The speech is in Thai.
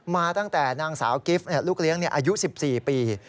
มาตั้งแต่นางสาวกิฟต์ลูกเลี้ยงอายุ๑๔ปี